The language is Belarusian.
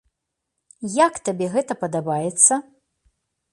Як табе гэта падабаецца?